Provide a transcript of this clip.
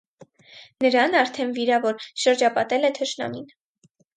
Նրան՝ արդեն վիրավոր, շրջապատել է թշնամին։